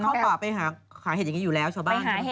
เข้าป่าไปหาเห็ดอยู่แล้วชาวบ้าน